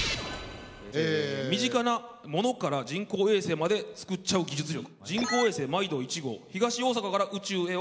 身近なものから人工衛星まで作っちゃう技術力。